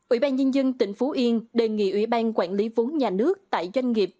ủy ban nhân dân tỉnh phú yên đề nghị ủy ban quản lý vốn nhà nước tại doanh nghiệp